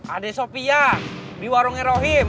ada sopiak di warung erohim